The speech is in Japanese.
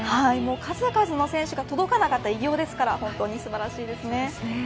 数々の選手が届かなかった偉業ですから本当に素晴らしいですね。